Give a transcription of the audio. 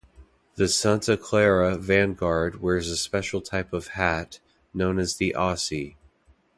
The Santa Clara Vanguard wears a special type of hat, known as the Aussie.